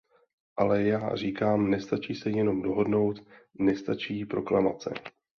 Ale já říkám, nestačí se jenom dohodnout, nestačí proklamace.